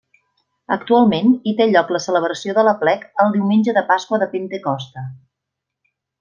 Actualment hi té lloc la celebració de l'aplec el diumenge de Pasqua de Pentecosta.